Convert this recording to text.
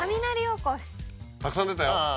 たくさん出たよ。